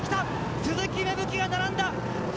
鈴木芽吹が並んだ！